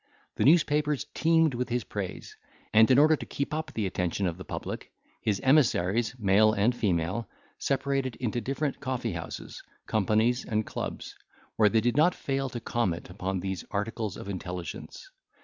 The newspapers teemed with his praise; and in order to keep up the attention of the public, his emissaries, male and female, separated into different coffee houses, companies, and clubs, where they did not fail to comment upon these articles of intelligence.